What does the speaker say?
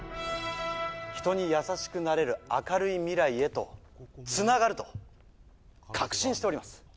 人に優しくなれる明るい未来へとつながると確信しております。